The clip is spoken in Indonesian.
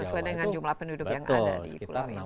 sesuai dengan jumlah penduduk yang ada di pulau ini